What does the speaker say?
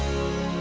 yang pake bajaj